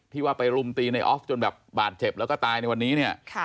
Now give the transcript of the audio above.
ว่าไปรุมตีในออฟจนแบบบาดเจ็บแล้วก็ตายในวันนี้เนี่ย